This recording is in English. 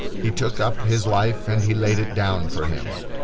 He took up his life and he laid it down for him.